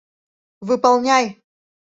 Выполняй!